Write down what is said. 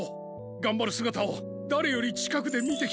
がんばるすがたをだれよりちかくでみてきて。